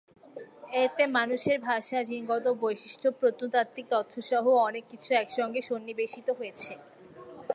এতে মানুষের ভাষা, জিনগত বৈশিষ্ট্য, প্রত্নতাত্ত্বিক তথ্যসহ অনেক কিছু একসঙ্গে সন্নিবেশিত হয়েছে।